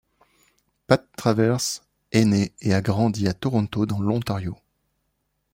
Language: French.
Pat Travers est né et a grandi à Toronto dans l'Ontario.